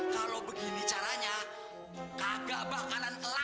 kalau begini caranya kagak bakalan elak